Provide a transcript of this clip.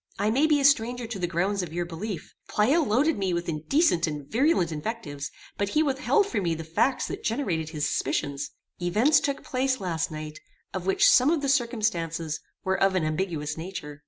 "I may be a stranger to the grounds of your belief. Pleyel loaded me with indecent and virulent invectives, but he withheld from me the facts that generated his suspicions. Events took place last night of which some of the circumstances were of an ambiguous nature.